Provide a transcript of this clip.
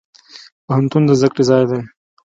پوهنتون د زده کړي ځای دی.